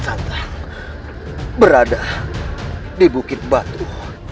sampah berada di bukit batu